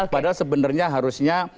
padahal sebenarnya harusnya